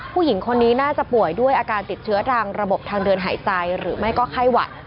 ผู้หญิงคนนี้น่าจะป่วยด้วยอาการติดเชื้อทางระบบทางเดินหายใจหรือไม่ก็ไข้หวัด